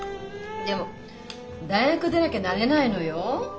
でも大学出なきゃなれないのよ。